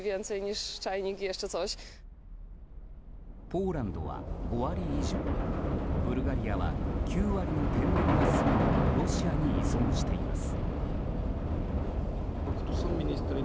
ポーランドは５割以上ブルガリアは９割の天然ガスをロシアに依存しています。